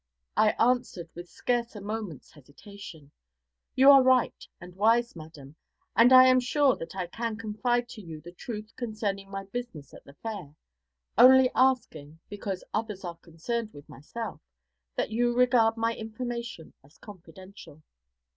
I answered, with scarce a moment's hesitation: 'You are right and wise, madam, and I am sure that I can confide to you the truth concerning my business at the Fair only asking, because others are concerned with myself, that you regard my information as confidential.'